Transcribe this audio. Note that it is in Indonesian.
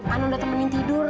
ana udah temenin tidur